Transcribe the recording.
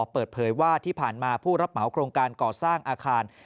เปิดเผยว่าที่ผ่านมาผู้รับเหมาโครงการก่อสร้างอาคาร